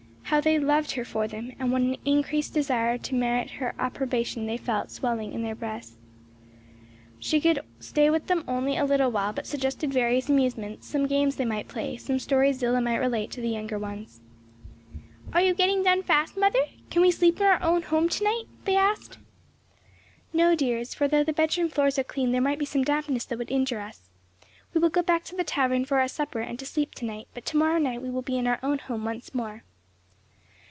How they loved her for them, and what an increased desire to merit her approbation they felt swelling in their breasts. She could stay with them only a little while but suggested various amusements, some games they might play, some stories Zillah might relate to the younger ones. "Are you getting done fast, mother? can we sleep in our own home to night?" they asked. "No, dears; for though the bedroom floors are cleaned there might be some dampness that would injure us. We will go back to the tavern for our supper and to sleep to night; but to morrow night we will be in our own home once more."